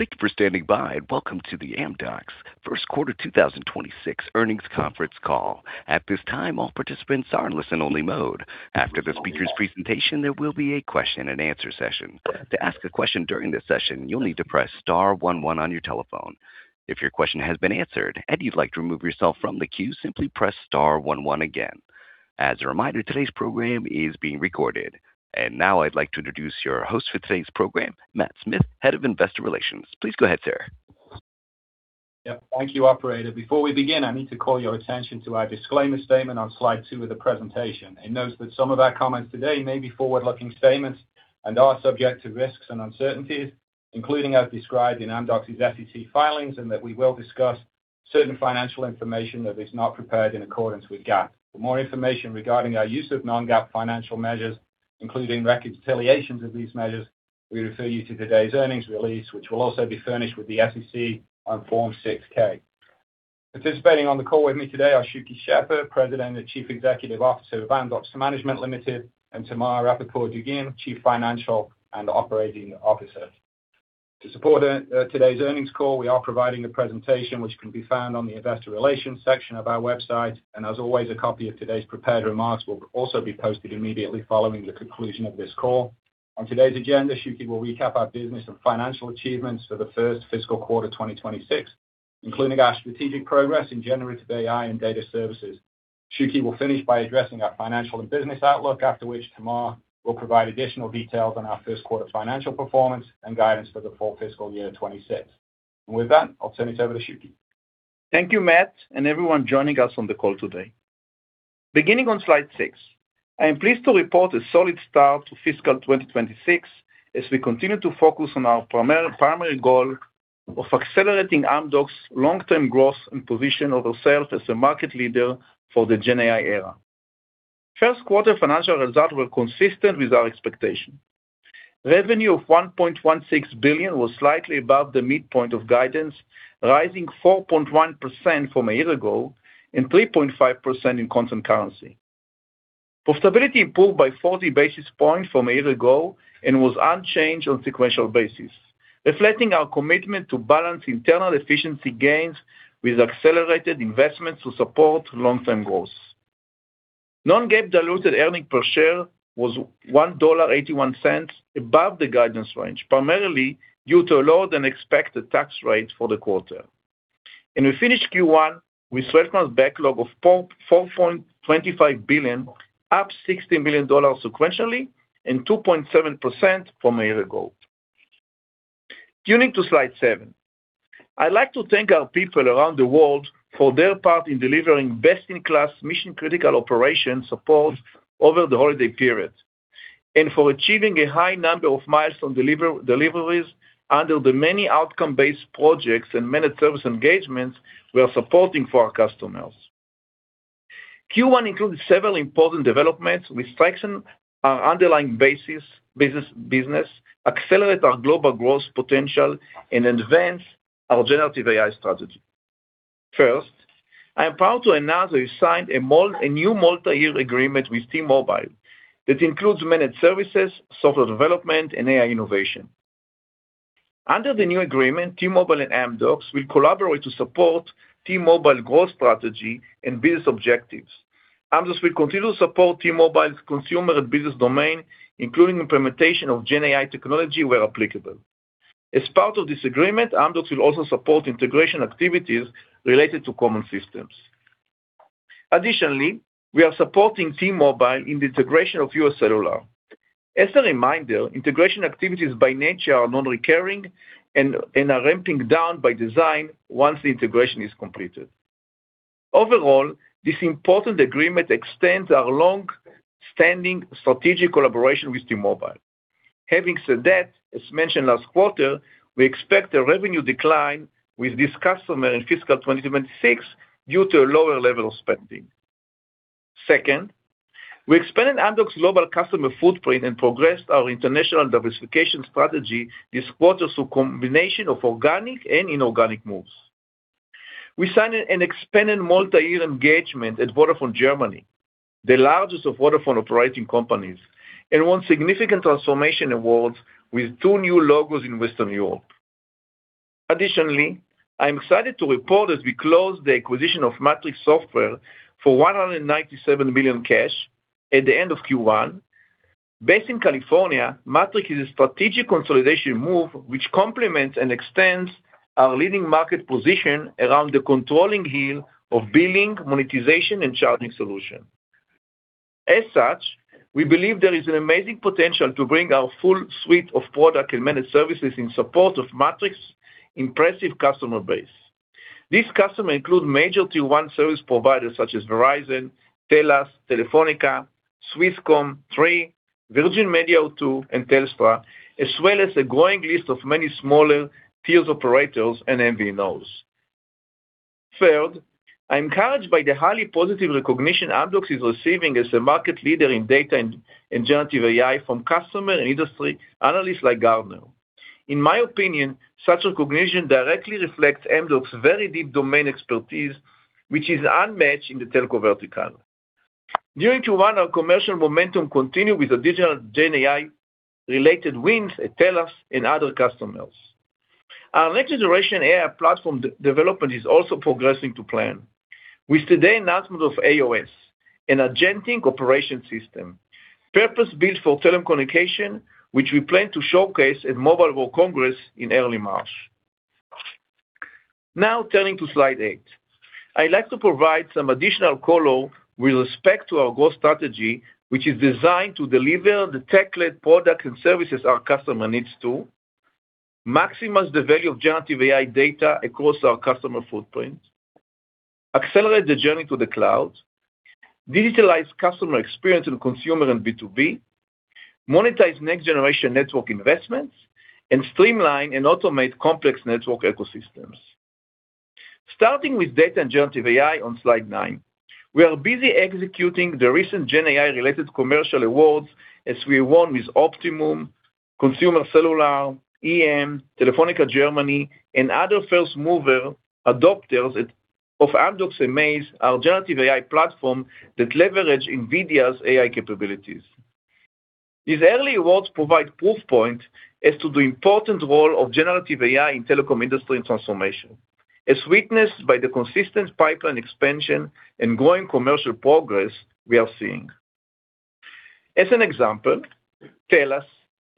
Thank you for standing by and welcome to the Amdocs First Quarter 2026 Earnings Conference call. At this time, all participants are in listen-only mode. After the speaker's presentation, there will be a question-and-answer session. To ask a question during this session, you'll need to press star 11 on your telephone. If your question has been answered and you'd like to remove yourself from the queue, simply press star 11 again. As a reminder, today's program is being recorded. Now I'd like to introduce your host for today's program, Matt Smith, Head of Investor Relations. Please go ahead, sir. Yep. Thank you, Operator. Before we begin, I need to call your attention to our disclaimer statement on Slide 2 of the presentation. It notes that some of our comments today may be forward-looking statements and are subject to risks and uncertainties, including as described in Amdocs' SEC filings, and that we will discuss certain financial information that is not prepared in accordance with GAAP. For more information regarding our use of Non-GAAP financial measures, including reconciliations of these measures, we refer you to today's earnings release, which will also be furnished with the SEC on Form 6-K. Participating on the call with me today are Shuky Sheffer, President and Chief Executive Officer of Amdocs Management Limited, and Tamar Rapaport-Dagim, Chief Financial and Operating Officer. To support today's earnings call, we are providing a presentation which can be found on the Investor Relations section of our website. As always, a copy of today's prepared remarks will also be posted immediately following the conclusion of this call. On today's agenda, Shuky will recap our business and financial achievements for the first fiscal quarter 2026, including our strategic progress in generative AI and data services. Shuky will finish by addressing our financial and business outlook, after which Tamar will provide additional details on our first quarter financial performance and guidance for the full fiscal year 2026. With that, I'll turn it over to Shuky. Thank you, Matt, and everyone joining us on the call today. Beginning on Slide 6, I am pleased to report a solid start to fiscal 2026 as we continue to focus on our primary goal of accelerating Amdocs' long-term growth and position of ourselves as a market leader for the GenAI era. First quarter financial results were consistent with our expectation. Revenue of $1.16 billion was slightly above the midpoint of guidance, rising 4.1% from a year ago and 3.5% in constant currency. Profitability improved by 40 basis points from a year ago and was unchanged on a sequential basis, reflecting our commitment to balance internal efficiency gains with accelerated investments to support long-term growth. Non-GAAP diluted earnings per share was $1.81, above the guidance range, primarily due to a lower-than-expected tax rate for the quarter. We finished Q1 with 12-month backlog of $4.25 billion, up $60 million sequentially and 2.7% from a year ago. Turning to Slide 7, I'd like to thank our people around the world for their part in delivering best-in-class mission-critical operation support over the holiday period and for achieving a high number of milestone deliveries under the many outcome-based projects and many service engagements we are supporting for our customers. Q1 included several important developments which strengthen our underlying basis, business, accelerate our global growth potential, and advance our generative AI strategy. First, I am proud to announce that we signed a new multi-year agreement with T-Mobile that includes many services, software development, and AI innovation. Under the new agreement, T-Mobile and Amdocs will collaborate to support T-Mobile growth strategy and business objectives. Amdocs will continue to support T-Mobile's consumer and business domain, including implementation of GenAI technology where applicable. As part of this agreement, Amdocs will also support integration activities related to common systems. Additionally, we are supporting T-Mobile in the integration of UScellular. As a reminder, integration activities by nature are non-recurring and are ramping down by design once the integration is completed. Overall, this important agreement extends our long-standing strategic collaboration with T-Mobile. Having said that, as mentioned last quarter, we expect a revenue decline with this customer in fiscal 2026 due to a lower level of spending. Second, we expanded Amdocs' global customer footprint and progressed our international diversification strategy this quarter through a combination of organic and inorganic moves. We signed an expanded multi-year engagement at Vodafone Germany, the largest of Vodafone operating companies, and won significant transformation awards with two new logos in Western Europe. Additionally, I am excited to report that we closed the acquisition of MATRIXX Software for $197 million cash at the end of Q1. Based in California, MATRIXX is a strategic consolidation move which complements and extends our leading market position around the control and billing of billing, monetization, and charging solutions. As such, we believe there is an amazing potential to bring our full suite of products and services in support of MATRIXX's impressive customer base. This customer base includes major Tier 1 service providers such as Verizon, TELUS, Telefónica, Three, Virgin Media O2, and Telstra, as well as a growing list of many smaller tier operators and MVNOs. Third, I am encouraged by the highly positive recognition Amdocs is receiving as a market leader in data and generative AI from customer and industry analysts like Gartner. In my opinion, such recognition directly reflects Amdocs' very deep domain expertise, which is unmatched in the telco vertical. During Q1, our commercial momentum continued with the digital GenAI-related wins at TELUS and other customers. Our next-generation AI platform development is also progressing to plan with today's announcement of AOS, an agentic operating system purpose-built for telecommunications, which we plan to showcase at Mobile World Congress in early March. Now, turning to Slide 8, I'd like to provide some additional color with respect to our growth strategy, which is designed to deliver the tech-led products and services our customer needs to maximize the value of generative AI data across our customer footprint, accelerate the journey to the cloud, digitalize customer experience in consumer and B2B, monetize next-generation network investments, and streamline and automate complex network ecosystems. Starting with data and generative AI on Slide 9, we are busy executing the recent GenAI-related commercial awards as we won with Optimum, Consumer Cellular, EE, Telefónica Germany, and other first-mover adopters of Amdocs Amaze, our generative AI platform that leverages NVIDIA's AI capabilities. These early awards provide proof point as to the important role of generative AI in telecom industry and transformation, as witnessed by the consistent pipeline expansion and growing commercial progress we are seeing. As an example, TELUS,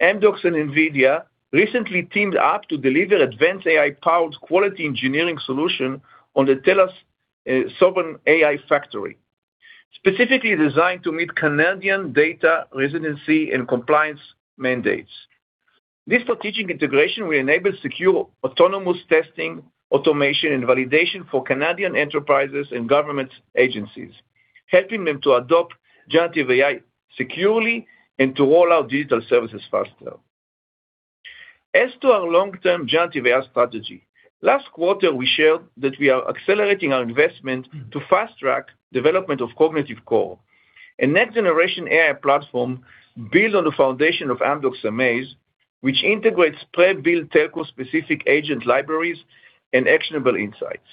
Amdocs, and NVIDIA recently teamed up to deliver advanced AI-powered quality engineering solutions on the TELUS Sovereign AI factory, specifically designed to meet Canadian data residency and compliance mandates. This strategic integration will enable secure autonomous testing, automation, and validation for Canadian enterprises and government agencies, helping them to adopt generative AI securely and to roll out digital services faster. As to our long-term generative AI strategy, last quarter, we shared that we are accelerating our investment to fast-track the development of Cognitive Core, a next-generation AI platform built on the foundation of Amdocs Amaze, which integrates pre-built telco-specific agent libraries and actionable insights.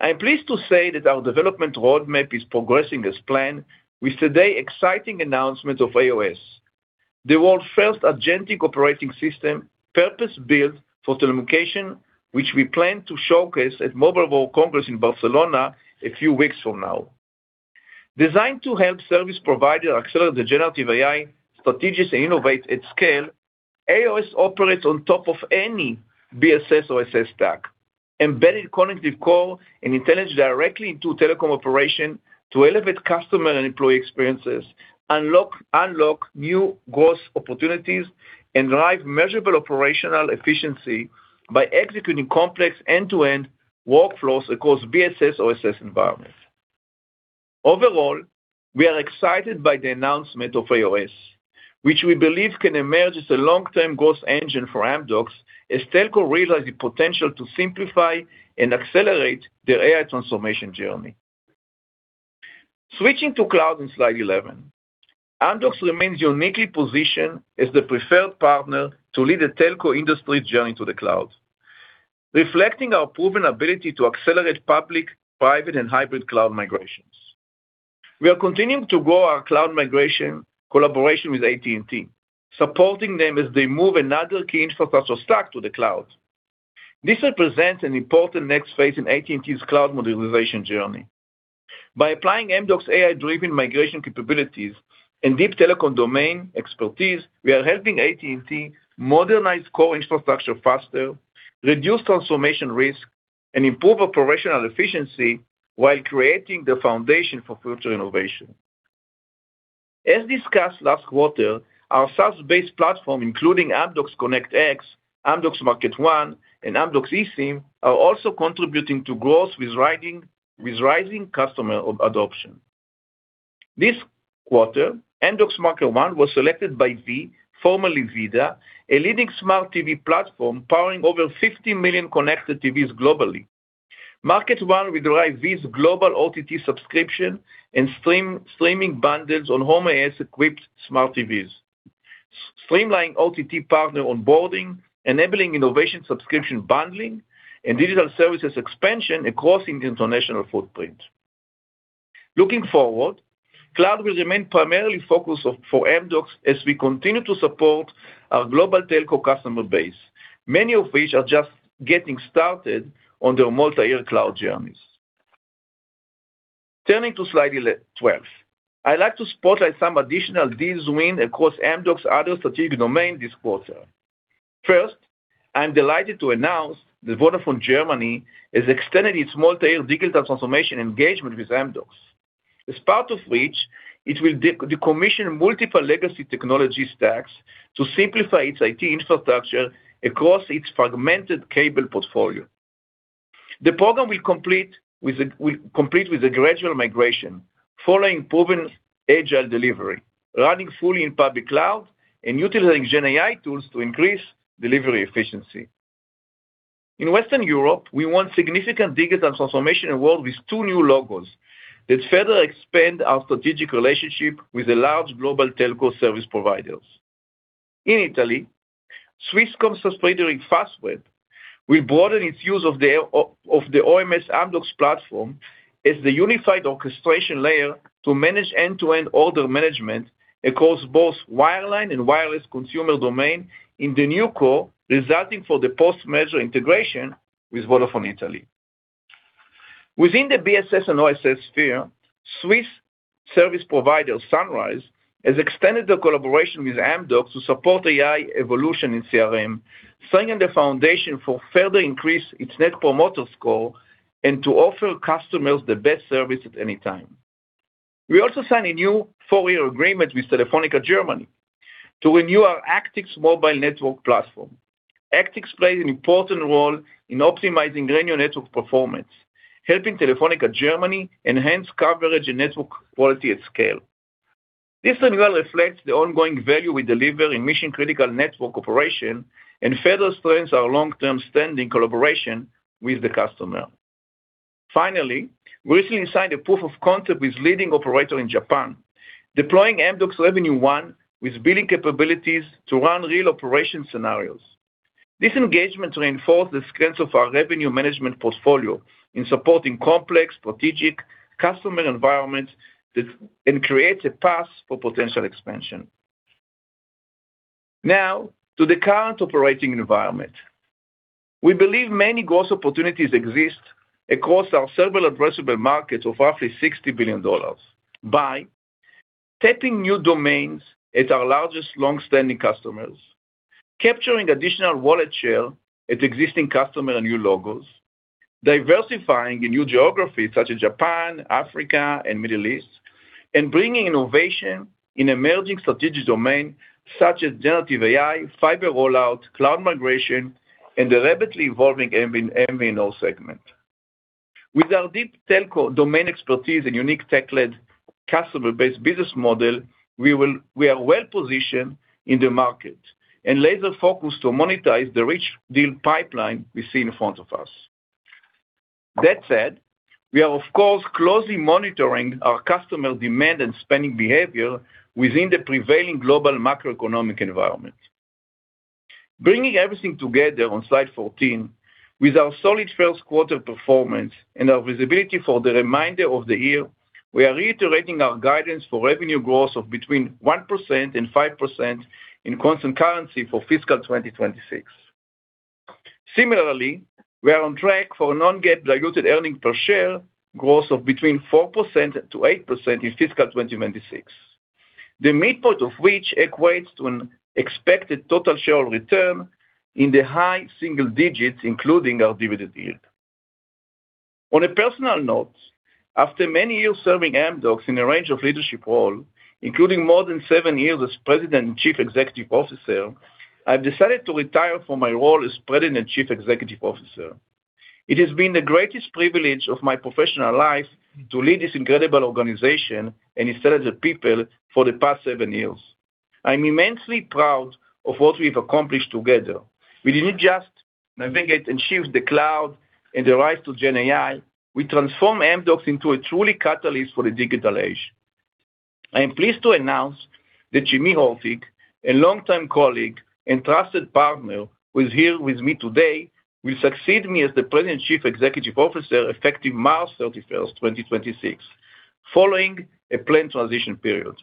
I am pleased to say that our development roadmap is progressing as planned with today's exciting announcement of AOS, the world's first Agentic Operating System purpose-built for telecommunications, which we plan to showcase at Mobile World Congress in Barcelona a few weeks from now. Designed to help service providers accelerate the generative AI strategies and innovate at scale, AOS operates on top of any BSS or OSS stack, embedding Cognitive Core and intelligence directly into telecom operations to elevate customer and employee experiences, unlock new growth opportunities, and drive measurable operational efficiency by executing complex end-to-end workflows across BSS or OSS environments. Overall, we are excited by the announcement of AOS, which we believe can emerge as a long-term growth engine for Amdocs as telco realizes the potential to simplify and accelerate their AI transformation journey. Switching to cloud on Slide 11, Amdocs remains uniquely positioned as the preferred partner to lead the telco industry's journey to the cloud, reflecting our proven ability to accelerate public, private, and hybrid cloud migrations. We are continuing to grow our cloud migration collaboration with AT&T, supporting them as they move another key infrastructure stack to the cloud. This represents an important next phase in AT&T's cloud modernization journey. By applying Amdocs' AI-driven migration capabilities and deep telecom domain expertise, we are helping AT&T modernize core infrastructure faster, reduce transformation risk, and improve operational efficiency while creating the foundation for future innovation. As discussed last quarter, our SaaS-based platform, including Amdocs ConnectX, Amdocs MarketONE, and Amdocs eSIM, are also contributing to growth with rising customer adoption. This quarter, Amdocs MarketONE was selected by VIDAA, formerly VIDAA, a leading smart TV platform powering over 50 million connected TVs globally. MarketONE would drive VIDAA's global OTT subscription and streaming bundles on home AI-supported smart TVs, streamlining OTT partner onboarding, enabling innovation subscription bundling, and digital services expansion across the international footprint. Looking forward, cloud will remain primarily focused for Amdocs as we continue to support our global telco customer base, many of which are just getting started on their multi-year cloud journeys. Turning to Slide 12, I'd like to spotlight some additional deals win across Amdocs' other strategic domain this quarter. First, I'm delighted to announce that Vodafone Germany has extended its multi-year digital transformation engagement with Amdocs, as part of which it will decommission multiple legacy technology stacks to simplify its IT infrastructure across its fragmented cable portfolio. The program will complete with a gradual migration following proven agile delivery, running fully in public cloud, and utilizing GenAI tools to increase delivery efficiency. In Western Europe, we won significant digital transformation in the world with two new logos that further expand our strategic relationship with the large global telco service providers. In Italy, Swisscom's subsidiary Fastweb will broaden its use of the Amdocs OMS platform as the unified orchestration layer to manage end-to-end order management across both wireline and wireless consumer domain in the new core, resulting from the post-merger integration with Vodafone Italy. Within the BSS and OSS sphere, Swiss service provider Sunrise has extended their collaboration with Amdocs to support AI evolution in CRM, setting the foundation for further increasing its net promoter score and to offer customers the best service at any time. We also signed a new four-year agreement with Telefónica Germany to renew our Actix mobile network platform. Actix plays an important role in optimizing radio network performance, helping Telefónica Germany enhance coverage and network quality at scale. This renewal reflects the ongoing value we deliver in mission-critical network operation and further strengthens our long-term standing collaboration with the customer. Finally, we recently signed a proof of concept with leading operator in Japan, deploying Amdocs RevenueONE with billing capabilities to run real operation scenarios. This engagement reinforced the strengths of our revenue management portfolio in supporting complex strategic customer environments and creates a path for potential expansion. Now, to the current operating environment, we believe many growth opportunities exist across our server-addressable market of roughly $60 billion by tapping new domains at our largest long-standing customers, capturing additional wallet share at existing customer and new logos, diversifying in new geographies such as Japan, Africa, and Middle East, and bringing innovation in emerging strategic domains such as generative AI, fiber rollout, cloud migration, and the rapidly evolving MVNO segment. With our deep telco domain expertise and unique tech-led customer-based business model, we are well positioned in the market and laser-focused to monetize the rich deal pipeline we see in front of us. That said, we are, of course, closely monitoring our customer demand and spending behavior within the prevailing global macroeconomic environment. Bringing everything together on Slide 14, with our solid first quarter performance and our visibility for the remainder of the year, we are reiterating our guidance for revenue growth of between 1% and 5% in constant currency for fiscal 2026. Similarly, we are on track for a Non-GAAP diluted earnings per share growth of between 4%-8% in fiscal 2026, the midpoint of which equates to an expected total shareholder return in the high single digits, including our dividend yield. On a personal note, after many years serving Amdocs in a range of leadership roles, including more than seven years as President and Chief Executive Officer, I've decided to retire from my role as President and Chief Executive Officer. It has been the greatest privilege of my professional life to lead this incredible organization and its elder people for the past seven years. I'm immensely proud of what we have accomplished together. We didn't just navigate and shift the cloud and the rise to GenAI. We transformed Amdocs into a truly catalyst for the digital age. I am pleased to announce that Shimie Hortig, a longtime colleague and trusted partner who is here with me today, will succeed me as the President and Chief Executive Officer effective March 31st, 2026, following a planned transition period.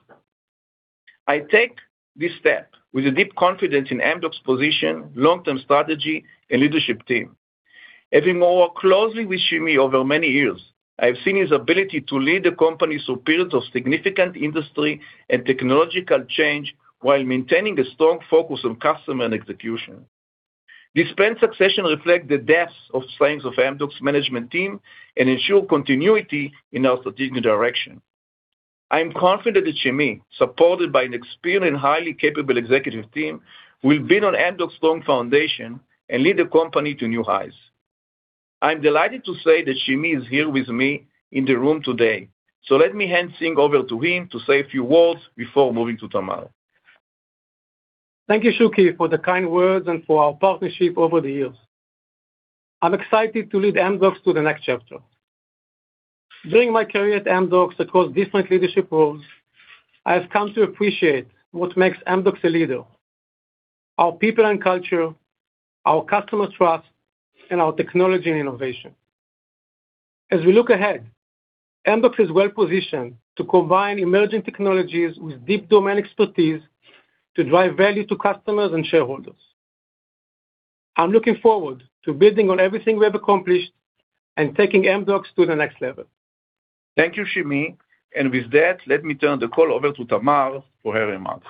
I take this step with a deep confidence in Amdocs' position, long-term strategy, and leadership team. Having worked closely with Shimie over many years, I have seen his ability to lead the company through periods of significant industry and technological change while maintaining a strong focus on customer and execution. This planned succession reflects the depths of strengths of Amdocs' management team and ensures continuity in our strategic direction. I am confident that Shimie, supported by an experienced and highly capable executive team, will build on Amdocs' strong foundation and lead the company to new highs. I'm delighted to say that Shimie is here with me in the room today. So let me hand things over to him to say a few words before moving to Tamar. Thank you, Shuky, for the kind words and for our partnership over the years. I'm excited to lead Amdocs to the next chapter. During my career at Amdocs across different leadership roles, I have come to appreciate what makes Amdocs a leader: our people and culture, our customer trust, and our technology and innovation. As we look ahead, Amdocs is well positioned to combine emerging technologies with deep domain expertise to drive value to customers and shareholders. I'm looking forward to building on everything we have accomplished and taking Amdocs to the next level. Thank you, Shimi. With that, let me turn the call over to Tamar for her remarks.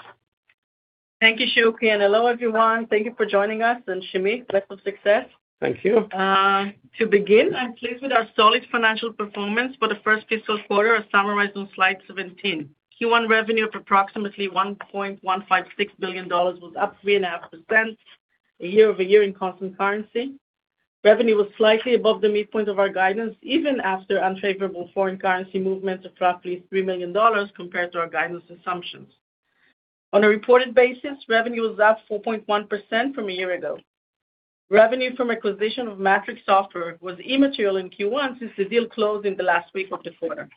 Thank you, Shuky, and hello everyone. Thank you for joining us. Shimie, best of success. Thank you. To begin, I'm pleased with our solid financial performance for the first fiscal quarter summarized on Slide 17. Q1 revenue of approximately $1.156 billion was up 3.5% year-over-year in constant currency. Revenue was slightly above the midpoint of our guidance, even after unfavorable foreign currency movements of roughly $3 million compared to our guidance assumptions. On a reported basis, revenue was up 4.1% from a year ago. Revenue from acquisition of MATRIXX Software was immaterial in Q1 since the deal closed in the last week of the quarter.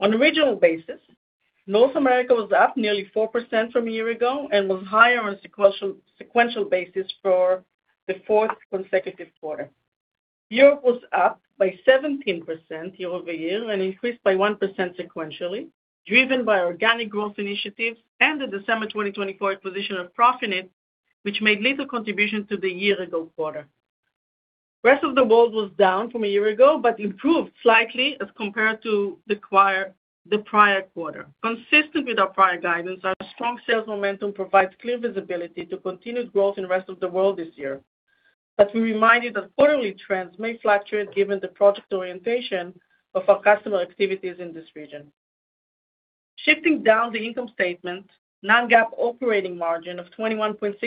On a regional basis, North America was up nearly 4% from a year ago and was higher on a sequential basis for the fourth consecutive quarter. Europe was up by 17% year-over-year and increased by 1% sequentially, driven by organic growth initiatives and the December 2024 acquisition of Profinit, which made little contribution to the year-ago quarter. The rest of the world was down from a year ago but improved slightly as compared to the prior quarter. Consistent with our prior guidance, our strong sales momentum provides clear visibility to continued growth in the rest of the world this year. But we remind you that quarterly trends may fluctuate given the project orientation of our customer activities in this region. Shifting down the income statement, Non-GAAP operating margin of 21.6%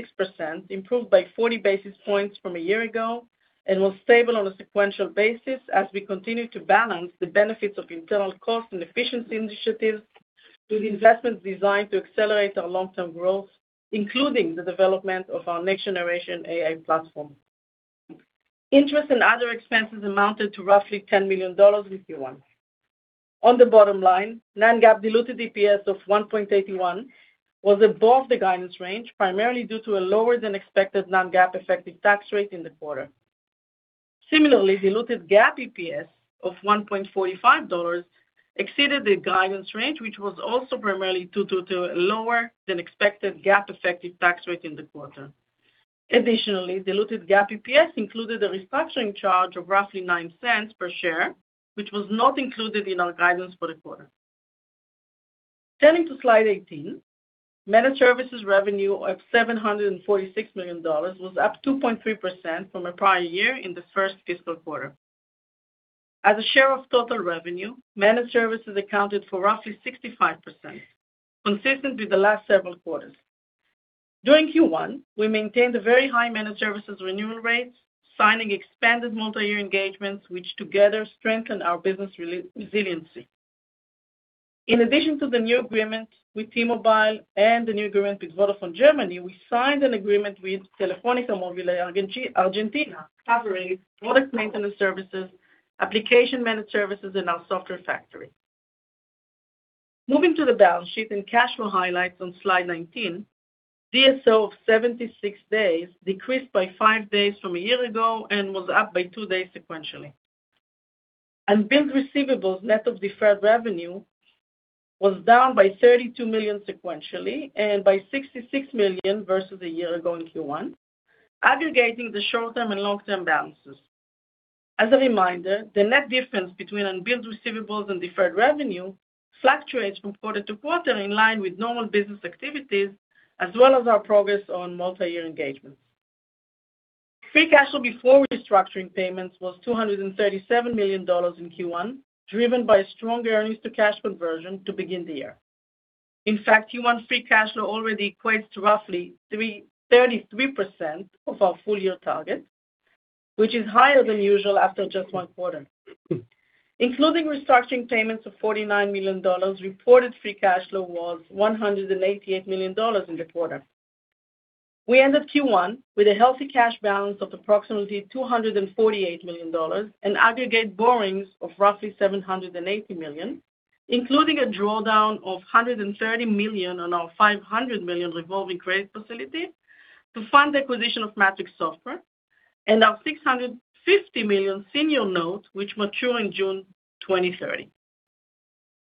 improved by 40 basis points from a year ago and was stable on a sequential basis as we continue to balance the benefits of internal cost and efficiency initiatives with investments designed to accelerate our long-term growth, including the development of our next-generation AI platform. Interest and other expenses amounted to roughly $10 million in Q1. On the bottom line, Non-GAAP diluted EPS of $1.81 was above the guidance range, primarily due to a lower than expected Non-GAAP effective tax rate in the quarter. Similarly, diluted GAAP EPS of $1.45 exceeded the guidance range, which was also primarily due to a lower than expected GAAP effective tax rate in the quarter. Additionally, diluted GAAP EPS included a restructuring charge of roughly $0.09 per share, which was not included in our guidance for the quarter. Turning to Slide 18, managed services revenue of $746 million was up 2.3% from a prior year in the first fiscal quarter. As a share of total revenue, managed services accounted for roughly 65%, consistent with the last several quarters. During Q1, we maintained a very high managed services renewal rate, signing expanded multi-year engagements, which together strengthened our business resiliency. In addition to the new agreement with T-Mobile and the new agreement with Vodafone Germany, we signed an agreement with Telefónica Móvil Argentina covering product maintenance services, application managed services, and our software factory. Moving to the balance sheet and cash flow highlights on Slide 19, DSO of 76 days decreased by 5 days from a year ago and was up by 2 days sequentially. Unbilled receivables net of deferred revenue was down by $32 million sequentially and by $66 million versus a year ago in Q1, aggregating the short-term and long-term balances. As a reminder, the net difference between unbilled receivables and deferred revenue fluctuates from quarter to quarter in line with normal business activities as well as our progress on multi-year engagements. Free cash flow before restructuring payments was $237 million in Q1, driven by a stronger earnings-to-cash conversion to begin the year. In fact, Q1 free cash flow already equates to roughly 33% of our full-year target, which is higher than usual after just one quarter. Including restructuring payments of $49 million, reported free cash flow was $188 million in the quarter. We ended Q1 with a healthy cash balance of approximately $248 million and aggregate borrowings of roughly $780 million, including a drawdown of $130 million on our $500 million revolving credit facility to fund the acquisition of MATRIXX Software and our $650 million senior note, which matured in June 2030.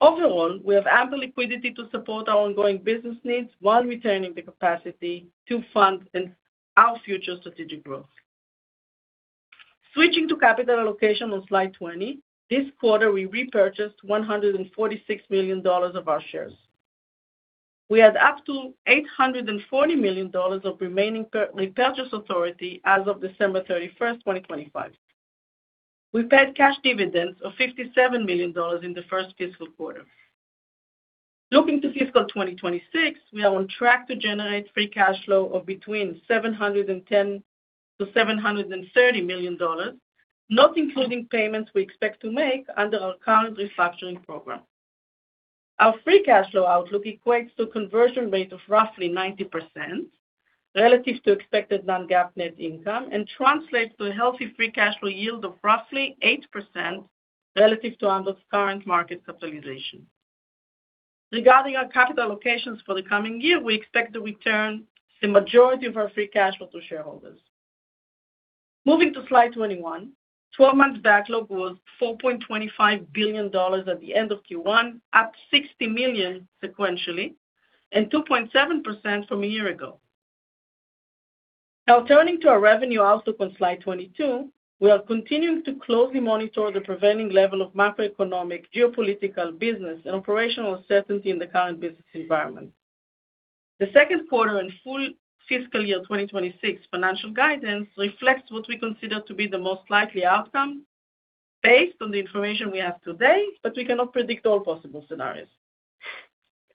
Overall, we have ample liquidity to support our ongoing business needs while returning the capacity to fund our future strategic growth. Switching to capital allocation on Slide 20, this quarter we repurchased $146 million of our shares. We had up to $840 million of remaining repurchase authority as of December 31st, 2025. We paid cash dividends of $57 million in the first fiscal quarter. Looking to fiscal 2026, we are on track to generate free cash flow of between $710 million-$730 million, not including payments we expect to make under our current restructuring program. Our free cash flow outlook equates to a conversion rate of roughly 90% relative to expected Non-GAAP net income and translates to a healthy free cash flow yield of roughly 8% relative to Amdocs' current market capitalization. Regarding our capital allocations for the coming year, we expect to return the majority of our free cash flow to shareholders. Moving to Slide 21, 12-month backlog was $4.25 billion at the end of Q1, up $60 million sequentially and 2.7% from a year ago. Now, turning to our revenue outlook on Slide 22, we are continuing to closely monitor the prevailing level of macroeconomic, geopolitical, business, and operational uncertainty in the current business environment. The second quarter and full fiscal year 2026 financial guidance reflects what we consider to be the most likely outcome based on the information we have today, but we cannot predict all possible scenarios.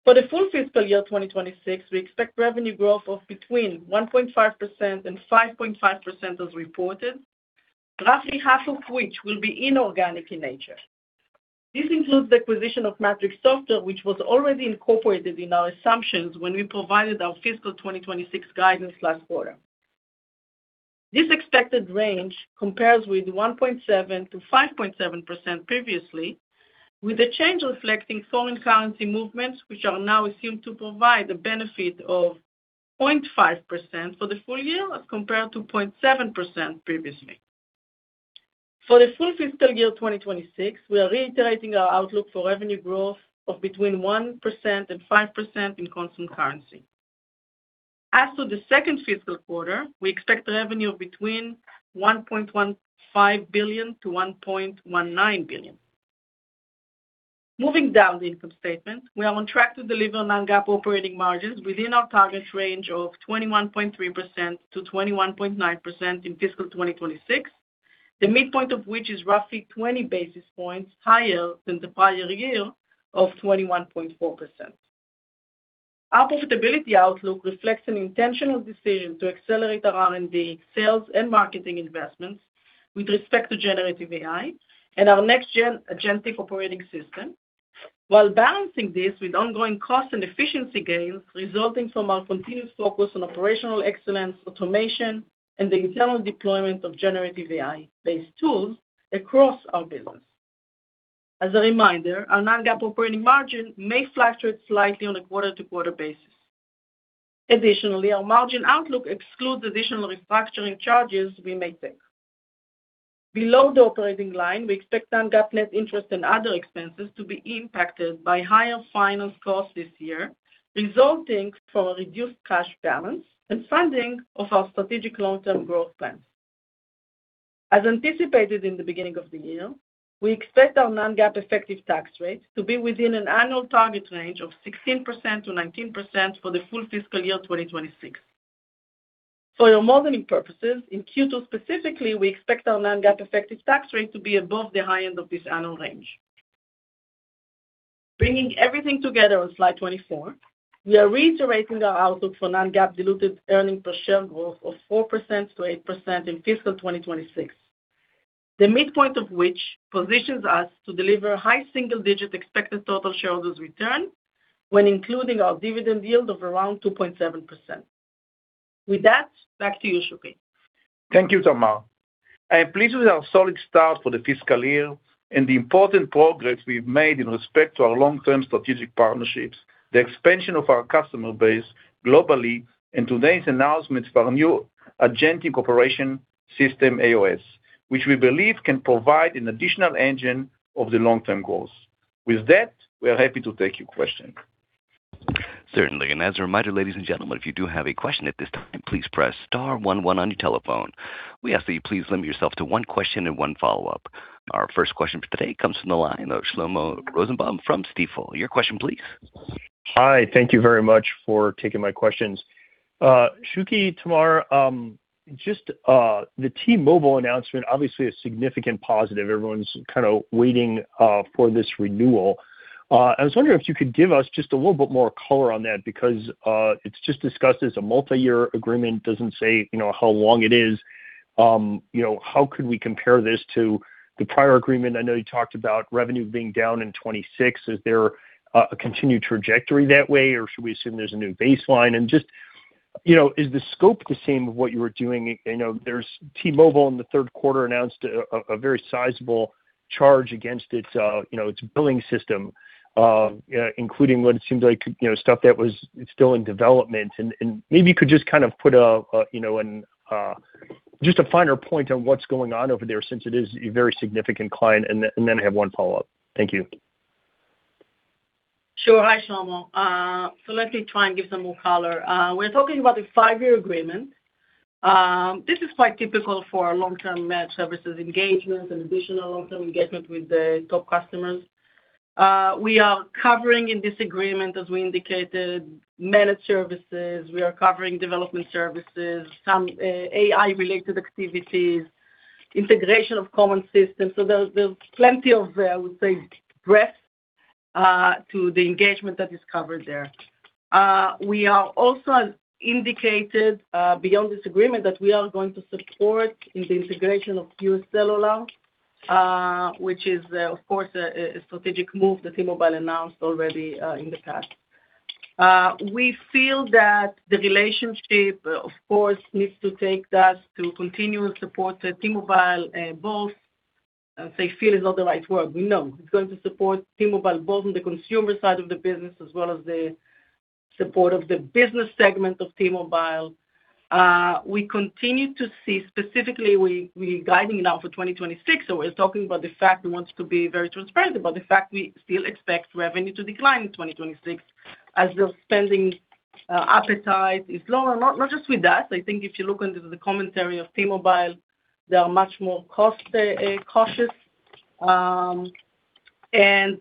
For the full fiscal year 2026, we expect revenue growth of between 1.5%-5.5% as reported, roughly half of which will be inorganic in nature. This includes the acquisition of MATRIXX Software, which was already incorporated in our assumptions when we provided our fiscal 2026 guidance last quarter. This expected range compares with 1.7%-5.7% previously, with the change reflecting foreign currency movements, which are now assumed to provide a benefit of 0.5% for the full year as compared to 0.7% previously. For the full fiscal year 2026, we are reiterating our outlook for revenue growth of between 1% and 5% in constant currency. As for the second fiscal quarter, we expect revenue of between $1.15 billion-$1.19 billion. Moving down the income statement, we are on track to deliver Non-GAAP operating margins within our target range of 21.3%-21.9% in fiscal 2026, the midpoint of which is roughly 20 basis points higher than the prior year of 21.4%. Our profitability outlook reflects an intentional decision to accelerate our R&D, sales, and marketing investments with respect to generative AI and our next-gen agentic operating system, while balancing this with ongoing cost and efficiency gains resulting from our continued focus on operational excellence, automation, and the internal deployment of generative AI-based tools across our business. As a reminder, our Non-GAAP operating margin may fluctuate slightly on a quarter-to-quarter basis. Additionally, our margin outlook excludes additional restructuring charges we may take. Below the operating line, we expect Non-GAAP net interest and other expenses to be impacted by higher finance costs this year, resulting from a reduced cash balance and funding of our strategic long-term growth plans. As anticipated in the beginning of the year, we expect our Non-GAAP effective tax rate to be within an annual target range of 16%-19% for the full fiscal year 2026. For your modeling purposes, in Q2 specifically, we expect our Non-GAAP effective tax rate to be above the high end of this annual range. Bringing everything together on Slide 24, we are reiterating our outlook for Non-GAAP diluted earnings-per-share growth of 4%-8% in fiscal 2026, the midpoint of which positions us to deliver high single-digit expected total shareholders return when including our dividend yield of around 2.7%. With that, back to you, Shuky. Thank you, Tamar. I am pleased with our solid start for the fiscal year and the important progress we've made in respect to our long-term strategic partnerships, the expansion of our customer base globally, and today's announcement for our new agentic operating system, AOS, which we believe can provide an additional engine of the long-term growth. With that, we are happy to take your question. Certainly. As a reminder, ladies and gentlemen, if you do have a question at this time, please press star 11 on your telephone. We ask that you please limit yourself to one question and one follow-up. Our first question for today comes from the line of Shlomo Rosenbaum from Stifel. Your question, please. Hi. Thank you very much for taking my questions. Shuky, Tamar, just the T-Mobile announcement, obviously a significant positive. Everyone's kind of waiting for this renewal. I was wondering if you could give us just a little bit more color on that because it's just discussed as a multi-year agreement. It doesn't say how long it is. How could we compare this to the prior agreement? I know you talked about revenue being down in 2026. Is there a continued trajectory that way, or should we assume there's a new baseline? And just is the scope the same of what you were doing? There's T-Mobile in the third quarter announced a very sizable charge against its billing system, including what it seemed like stuff that was still in development. Maybe you could just kind of put just a finer point on what's going on over there since it is a very significant client. Then I have one follow-up. Thank you. Sure. Hi, Shlomo. So let me try and give some more color. We're talking about the five-year agreement. This is quite typical for long-term managed services engagements and additional long-term engagement with the top customers. We are covering in this agreement, as we indicated, managed services. We are covering development services, some AI-related activities, integration of common systems. So there's plenty of, I would say, breadth to the engagement that is covered there. We are also, as indicated beyond this agreement, that we are going to support in the integration of UScellular, which is, of course, a strategic move that T-Mobile announced already in the past. We feel that the relationship, of course, needs to take us to continue to support T-Mobile both I would say feel is not the right word. We know it's going to support T-Mobile both on the consumer side of the business as well as the support of the business segment of T-Mobile. We continue to see specifically, we're guiding now for 2026, so we're talking about the fact we want to be very transparent about the fact we still expect revenue to decline in 2026 as their spending appetite is lower. Not just with us. I think if you look into the commentary of T-Mobile, they are much more cost-cautious. And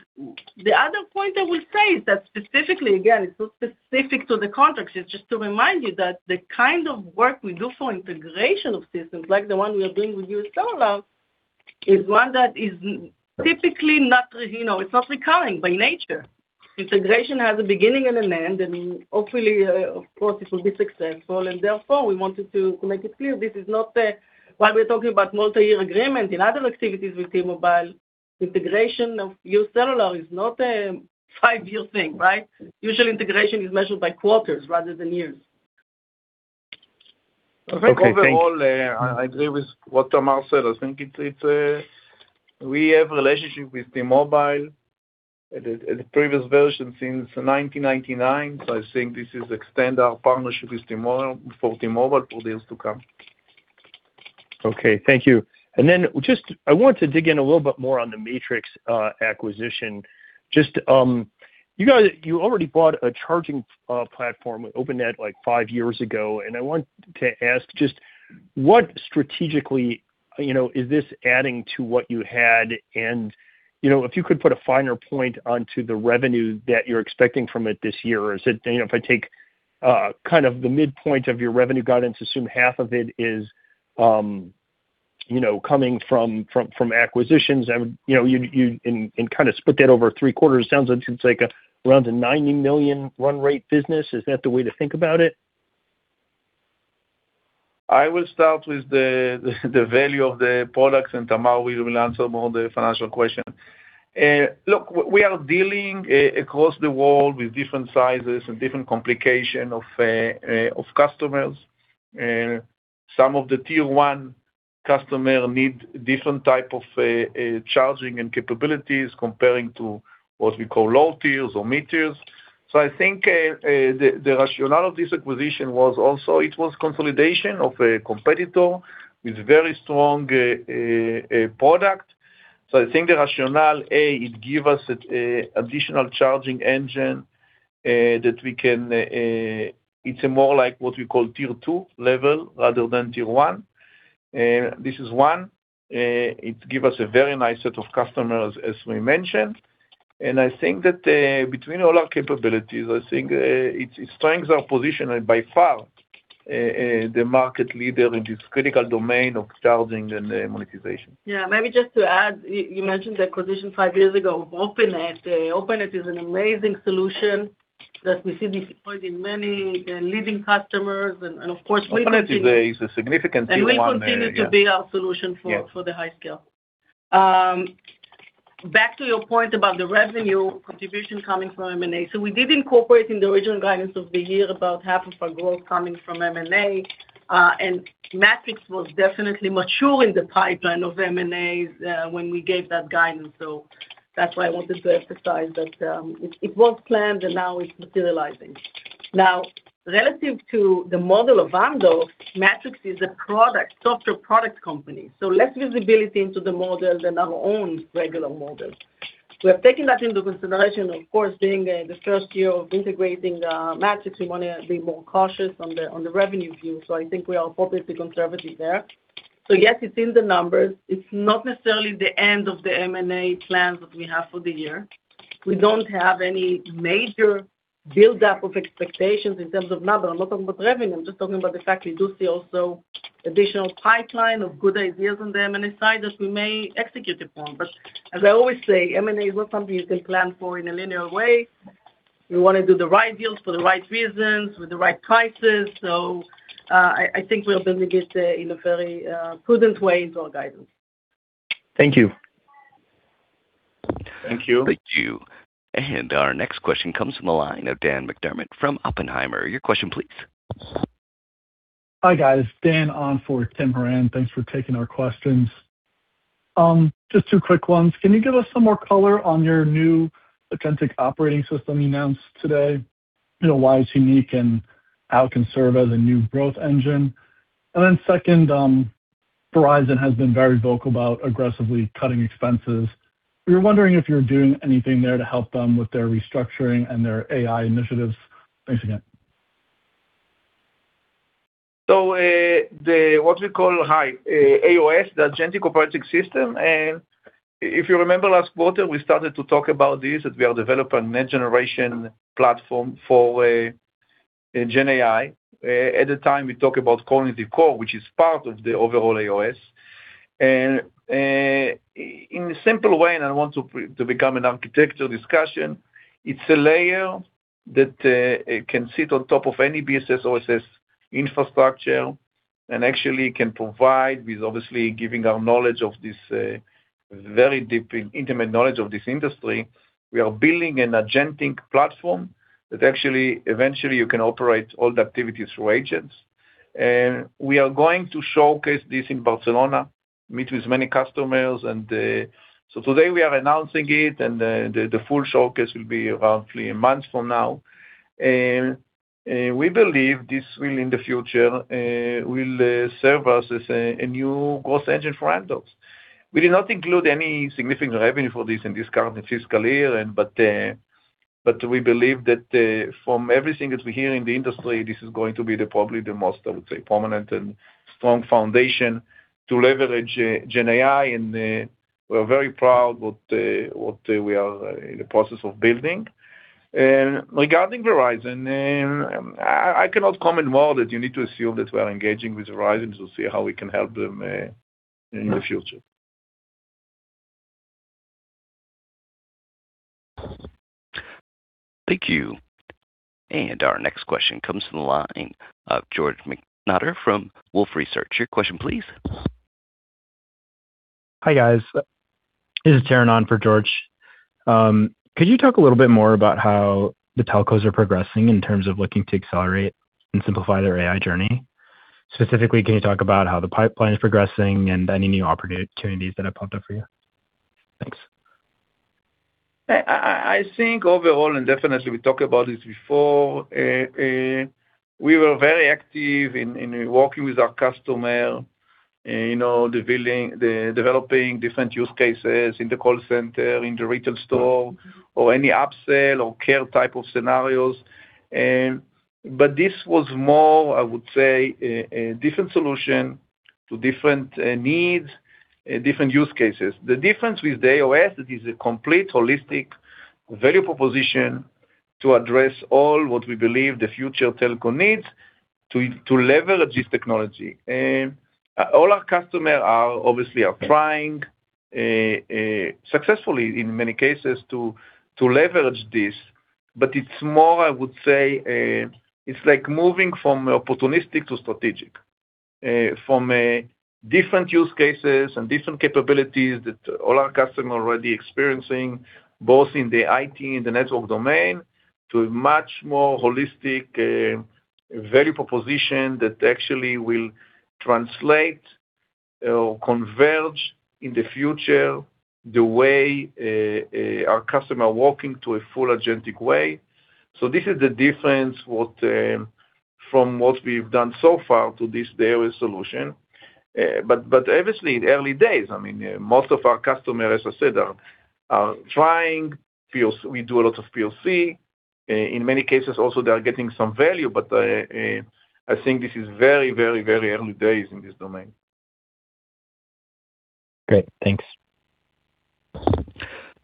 the other point I will say is that specifically, again, it's not specific to the contracts. It's just to remind you that the kind of work we do for integration of systems like the one we are doing with UScellular is one that is typically not it's not recurring by nature. Integration has a beginning and an end, and hopefully, of course, it will be successful. And therefore, we wanted to make it clear this is not while we're talking about multi-year agreement, in other activities with T-Mobile, integration of UScellular is not a five-year thing, right? Usually, integration is measured by quarters rather than years. I think overall, I agree with what Tamar said. I think we have a relationship with T-Mobile at the previous version since 1999. So I think this is extend our partnership for T-Mobile for the years to come. Okay. Thank you. And then just I want to dig in a little bit more on the MATRIXX acquisition. You already bought a charging platform with Openet like 5 years ago. And I want to ask just what strategically is this adding to what you had? And if you could put a finer point onto the revenue that you're expecting from it this year, is it if I take kind of the midpoint of your revenue guidance, assume half of it is coming from acquisitions, and kind of split that over 3 quarters, it sounds like it's around a $90 million run-rate business. Is that the way to think about it? I will start with the value of the products, and Tamar, we will answer more of the financial question. Look, we are dealing across the world with different sizes and different complications of customers. Some of the tier-one customers need different type of charging and capabilities comparing to what we call low tiers or mid tiers. So I think the rationale of this acquisition was also it was consolidation of a competitor with very strong product. So I think the rationale, A, it gives us an additional charging engine that we can—it's more like what we call tier-two level rather than tier-one. This is one. It gives us a very nice set of customers, as we mentioned. And I think that between all our capabilities, I think its strengths are positioned by far the market leader in this critical domain of charging and monetization. Yeah. Maybe just to add, you mentioned the acquisition five years ago of Openet. Openet is an amazing solution that we see deployed in many leading customers. Of course, we continue. Openet is a significant tier-one leader. It will continue to be our solution for the high scale. Back to your point about the revenue contribution coming from M&A. So we did incorporate in the original guidance of the year about half of our growth coming from M&A. And MATRIXX was definitely mature in the pipeline of M&A when we gave that guidance. So that's why I wanted to emphasize that it was planned, and now it's materializing. Now, relative to the model of Amdocs, MATRIXX is a software product company. So less visibility into the model than our own regular model. We have taken that into consideration, of course, being the first year of integrating MATRIXX. We want to be more cautious on the revenue view. So I think we are appropriately conservative there. So yes, it's in the numbers. It's not necessarily the end of the M&A plans that we have for the year. We don't have any major buildup of expectations in terms of number. I'm not talking about revenue. I'm just talking about the fact we do see also additional pipeline of good ideas on the M&A side that we may execute upon. But as I always say, M&A is not something you can plan for in a linear way. We want to do the right deals for the right reasons with the right prices. So I think we are building it in a very prudent way into our guidance. Thank you. Thank you. Thank you. Our next question comes from the line of Dan McDermott from Oppenheimer. Your question, please. Hi, guys. Dan on for Tim Horan. Thanks for taking our questions. Just two quick ones. Can you give us some more color on your new agentic operating system you announced today? Why it's unique and how it can serve as a new growth engine? And then second, Verizon has been very vocal about aggressively cutting expenses. We were wondering if you're doing anything there to help them with their restructuring and their AI initiatives. Thanks again. So what we call AOS, the agentic operating system. If you remember last quarter, we started to talk about this that we are developing a next-generation platform for GenAI. At the time, we talked about calling it the core, which is part of the overall AOS. In a simple way, and I don't want to become an architecture discussion, it's a layer that can sit on top of any BSS/OSS infrastructure and actually can provide with obviously giving our knowledge of this very deep intimate knowledge of this industry, we are building an agentic platform that actually eventually you can operate all the activities through agents. We are going to showcase this in Barcelona, meet with many customers. So today, we are announcing it, and the full showcase will be roughly a month from now. We believe this will in the future will serve us as a new growth engine for Amdocs. We did not include any significant revenue for this in this current fiscal year, but we believe that from everything that we hear in the industry, this is going to be probably the most, I would say, prominent and strong foundation to leverage GenAI. We are very proud what we are in the process of building. Regarding Verizon, I cannot comment more that you need to assume that we are engaging with Verizon to see how we can help them in the future. Thank you. And our next question comes from the line of George Notter from Wolfe Research. Your question, please. Hi, guys. This is Taryn on for George. Could you talk a little bit more about how the telcos are progressing in terms of looking to accelerate and simplify their AI journey? Specifically, can you talk about how the pipeline is progressing and any new opportunities that have popped up for you? Thanks. I think overall, and definitely, we talked about this before, we were very active in working with our customer, developing different use cases in the call center, in the retail store, or any upsell or care type of scenarios. But this was more, I would say, a different solution to different needs, different use cases. The difference with the AOS, it is a complete, holistic value proposition to address all what we believe the future telco needs to leverage this technology. All our customers obviously are trying successfully, in many cases, to leverage this. But it's more, I would say, it's like moving from opportunistic to strategic, from different use cases and different capabilities that all our customers are already experiencing, both in the IT and the network domain, to a much more holistic value proposition that actually will translate or converge in the future the way our customer is working to a full agentic way. So this is the difference from what we've done so far to this AOS solution. But obviously, in early days, I mean, most of our customers, as I said, are trying POC. We do a lot of POC. In many cases, also, they are getting some value. But I think this is very, very, very early days in this domain. Great. Thanks.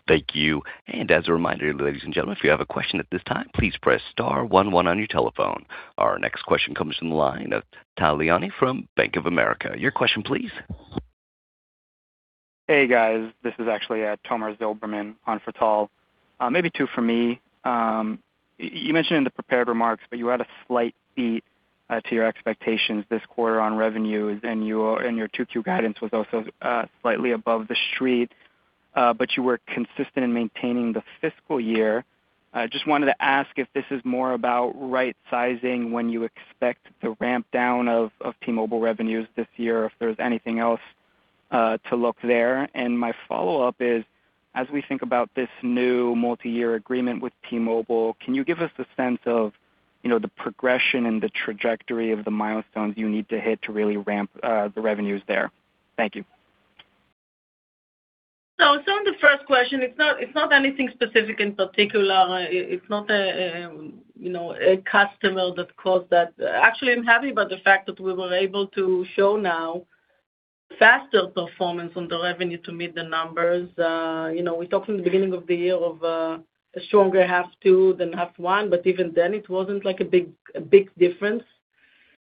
Thank you. As a reminder, ladies and gentlemen, if you have a question at this time, please press star 11 on your telephone. Our next question comes from the line of Tal Liani from Bank of America. Your question, please. Hey, guys. This is actually Tamar Zilberman on for Tal. Maybe two for me. You mentioned in the prepared remarks, but you had a slight beat to your expectations this quarter on revenues, and your 2Q guidance was also slightly above the street. But you were consistent in maintaining the fiscal year. I just wanted to ask if this is more about right-sizing when you expect the rampdown of T-Mobile revenues this year, if there's anything else to look there. And my follow-up is, as we think about this new multi-year agreement with T-Mobile, can you give us a sense of the progression and the trajectory of the milestones you need to hit to really ramp the revenues there? Thank you. On the first question, it's not anything specific in particular. It's not a customer that caused that. Actually, I'm happy about the fact that we were able to show now faster performance on the revenue to meet the numbers. We talked in the beginning of the year of a stronger half 2 than half 1, but even then, it wasn't a big difference.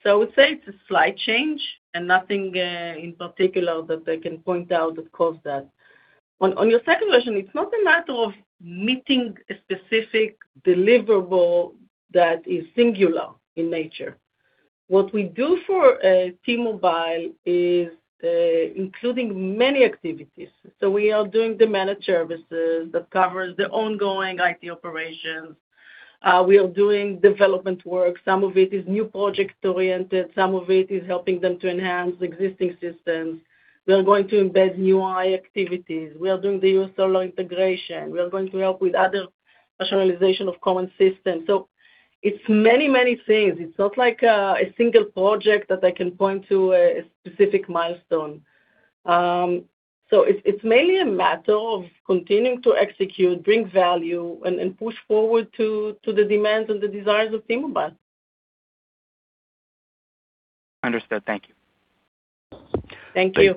I would say it's a slight change and nothing in particular that I can point out that caused that. On your second question, it's not a matter of meeting a specific deliverable that is singular in nature. What we do for T-Mobile is including many activities. We are doing the managed services that covers the ongoing IT operations. We are doing development work. Some of it is new project-oriented. Some of it is helping them to enhance existing systems. We are going to embed new AI activities. We are doing the UScellular integration. We are going to help with other rationalization of common systems. So it's many, many things. It's not a single project that I can point to a specific milestone. So it's mainly a matter of continuing to execute, bring value, and push forward to the demands and the desires of T-Mobile. Understood. Thank you. Thank you. Thank you.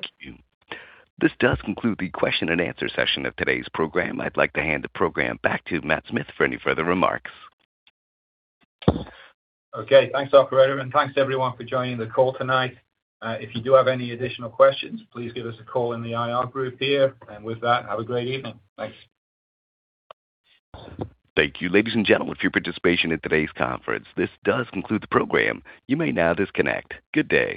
This does conclude the question-and-answer session of today's program. I'd like to hand the program back to Matt Smith for any further remarks. Okay. Thanks, operator, and thanks, everyone, for joining the call tonight. If you do have any additional questions, please give us a call in the IR group here. And with that, have a great evening. Thanks. Thank you. Ladies and gentlemen, for your participation in today's conference. This does conclude the program. You may now disconnect. Good day.